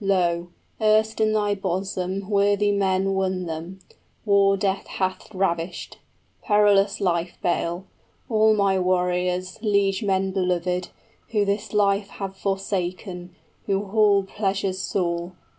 Lo! erst in thy bosom Worthy men won them; war death hath ravished, Perilous life bale, all my warriors, 30 Liegemen belovèd, who this life have forsaken, Who hall pleasures saw.